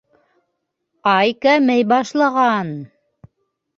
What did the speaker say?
Ай кәмей башлаған...